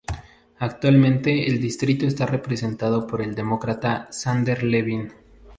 Actualmente el distrito está representado por el Demócrata Sander Levin.